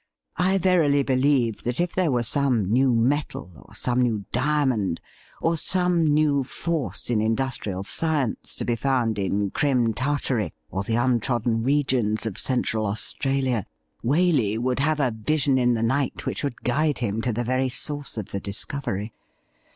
I verily believe that if there were some new metal, or some new diamond, or some new force in industrial science to be found in Crim Tartary or the un 'WILL YOU STAND IN WITH US? 163 trodden regions of Central Australia, Waley would have a vision in the night which would guide him to the very source of the discovery.